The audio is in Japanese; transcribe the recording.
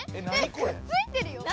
くっついてるよ。